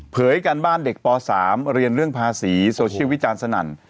การบ้านเด็กป๓เรียนเรื่องภาษีโซเชียลวิจารณ์สนั่น